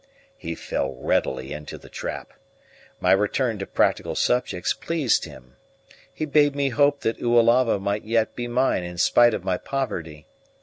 He fell readily into the trap. My return to practical subjects pleased him. He bade me hope that Oalava might yet be mine in spite of my poverty.